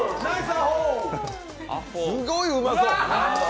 すごいうまそう。